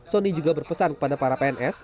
sony juga berpesan kepada para pns